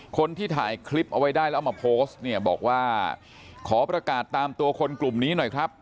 คนที่ถ่ายคลิปเอาไว้ได้แล้วเอามาโพสต์เนี่ยบอกว่าขอประกาศตามตัวคนกลุ่มนี้หน่อยครับ